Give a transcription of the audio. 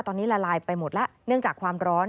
ตอนนี้ละลายไปหมดแล้วเนื่องจากความร้อน